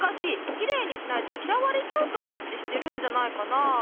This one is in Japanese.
きれいにしないときらわれちゃうと思ってしてるんじゃないかな。